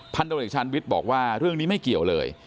พันธ์โดยเด็กชันวิทย์บอกว่าเรื่องนี้ไม่เกี่ยวเลย